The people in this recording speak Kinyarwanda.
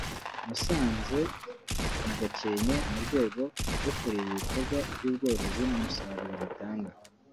Musanze na Gakenke mu rwego rwo kureba ibikorwa by’ubworozi n’umusaruro bitanga